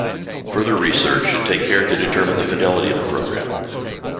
Further research should take care to determine the fidelity of the program.